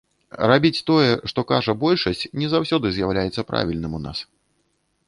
Рабіць тое, што кажа большасць, не заўсёды з'яўляецца правільным у нас.